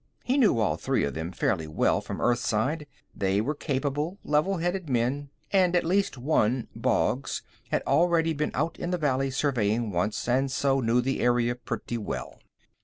He knew all three of them fairly well from Earthside; they were capable, level headed men, and at least one Boggs had already been out in the valley surveying once, and so knew the area pretty well.